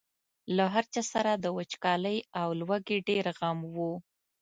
له هر چا سره د وچکالۍ او لوږې ډېر غم و.